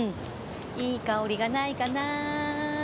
いい香りがないかな？